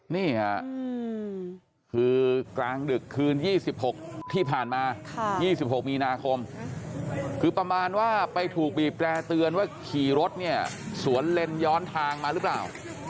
นี่ค่ะคือกลางดึกคืน๒๖ที่ผ่านมา๒๖มีนาคมคือประมาณว่าไปถูกบีบแร่เตือนว่าขี่รถเนี่ยสวนเลนย้อนทางมาหรือเปล่า